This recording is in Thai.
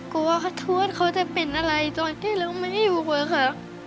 กลัวเขาทวดเขาจะเป็นอะไรตอนที่เราไม่อยู่อะค่ะ